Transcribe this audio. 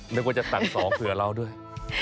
นึกว่าจะตัดสองเผื่อเราด้วย